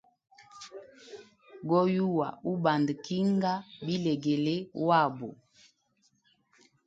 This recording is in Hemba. Goyuwa ubanda kinga bilegele wabo.